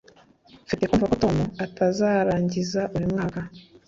mfite kumva ko tom atazarangiza uyu mwaka